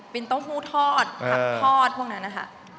เป็นเต้าหู้ทอดผักทอดพวกนั้นนะคะ